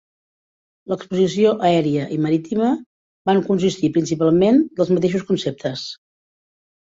L'exposició aèria i marítima van consistir principalment dels mateixos conceptes.